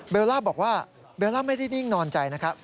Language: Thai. ล่าบอกว่าเบลล่าไม่ได้นิ่งนอนใจนะครับ